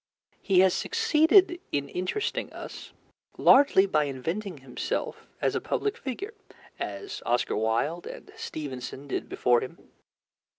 He has succeeded in interesting us largely by inventing himself as a public figure, as Oscar Wilde and Stevenson did before him.